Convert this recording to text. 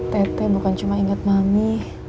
tete bukan cuma ingat mami